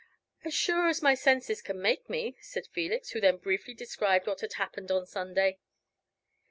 "As sure as my senses can make me," said Felix, who then briefly described what had happened on Sunday.